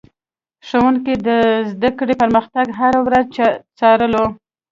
ښوونکي د زده کړې پرمختګ هره ورځ څارلو.